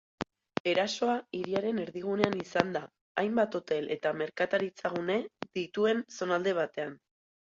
Erasoa hiriaren erdigunean izan da, hainbat hotel eta merkataritza-gune dituen zonalde batean.